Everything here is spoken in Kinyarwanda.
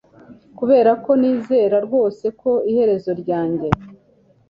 kubera ko nizera rwose ko iherezo ryanjye